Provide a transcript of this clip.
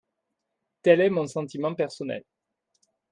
Tel est mon sentiment personnel.